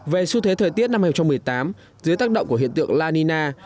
về xu thế thời tiết năm hai nghìn một mươi tám dưới tác động của hiện tượng la nina